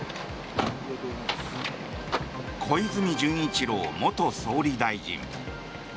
小泉純一郎元総理大臣。